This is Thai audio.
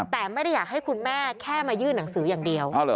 แต่ไม่ได้อยากให้คุณแม่แค่มายื่นหนังสืออย่างเดียว